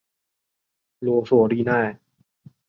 罗索利纳。